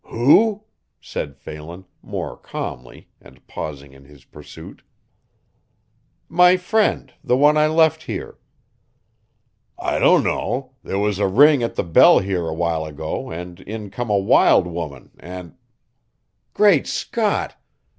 "Who?" said Phelan, more calmly, and pausing in his pursuit. "My friend the one I left here." "I dunno there was a ring at the bell here a while ago and in come a wild woman and" "Great Scott!